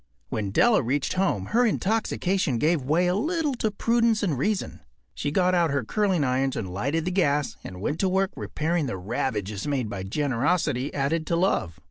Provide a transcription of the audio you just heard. When Della reached home her intoxication gave way a little to prudence and reason. She got out her curling irons and lighted the gas and went to work repairing the ravages made by generosity added to love.